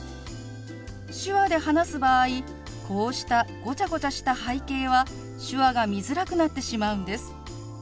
手話で話す場合こうしたごちゃごちゃした背景は手話が見づらくなってしまうんです。